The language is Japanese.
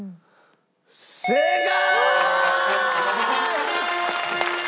正解！